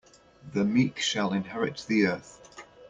The meek shall inherit the earth.